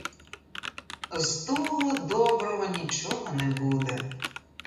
З того доброго нічого не буде.